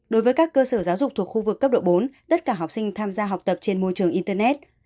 đối với các cơ sở giáo dục thuộc khu vực cấp độ bốn tất cả học sinh tham gia học tập trên môi trường internet